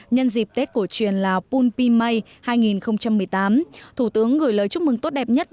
nhân dịp tết cổ truyền lào bun pimay hai nghìn một mươi tám thủ tướng gửi lời chúc mừng tốt đẹp nhất